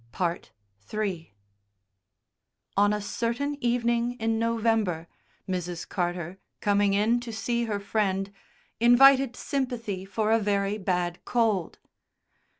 III On a certain evening in November, Mrs. Carter, coming in to see her friend, invited sympathy for a very bad cold.